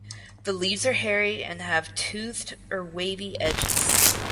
The leaves are hairy and have toothed or wavy edges.